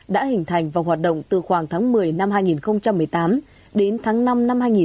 đã hình thành và hoạt động từ khoảng tháng một mươi năm hai nghìn một mươi tám đến tháng năm năm hai nghìn một mươi chín